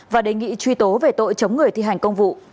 và đề nghị truy tố về tội chống người thi hành công vụ